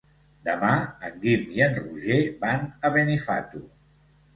Demà en Guim i en Roger van a Benifato.